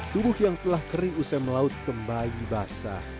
tubuh yang telah kering usai melaut kembali basah